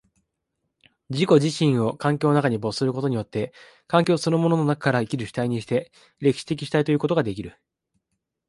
自己自身を環境の中に没することによって、環境そのものの中から生きる主体にして、歴史的主体ということができる。